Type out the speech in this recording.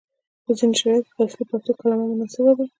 په ځینو شرایطو کې اصلي پښتو کلمه مناسبه ده،